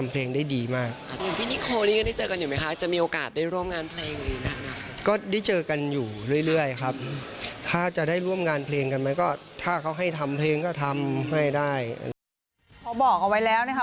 พอบอกเอาไว้แล้วนะคะ